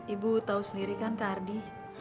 ibu tahu sendiri kan kak ardi